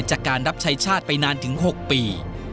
นอกจากนักเตะรุ่นใหม่จะเข้ามาเป็นตัวขับเคลื่อนทีมชาติไทยชุดนี้แล้ว